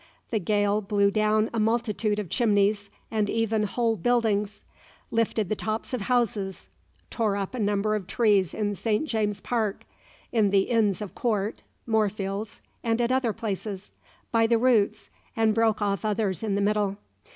The gale blew down a multitude of chimneys, and even whole buildings; lifted the tops of houses, tore up a number of trees in Saint James's Park, in the Inns of Court, Moorfields, and at other places, by the roots, and broke off others in the middle.